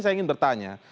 saya ingin bertanya